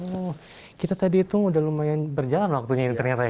oh kita tadi itu udah lumayan berjalan waktunya ternyata ya